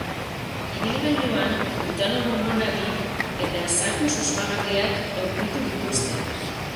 Ibilgailuan butano bonbona bi eta zaku susmagarriak aurkitu dituzte.